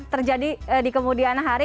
terjadi di kemudian hari